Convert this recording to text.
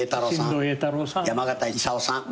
山形勲さん。